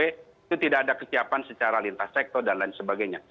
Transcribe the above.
itu tidak ada kesiapan secara lintas sektor dan lain sebagainya